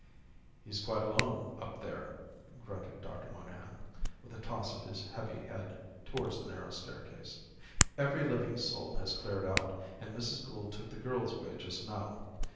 "He's quite alone up there," grunted Doctor Monygham, with a toss of his heavy head towards the narrow staircase. "Every living soul has cleared out, and Mrs. Gould took the girls away just now.